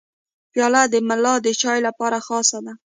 پیاله د ملای د چای لپاره خاصه ده.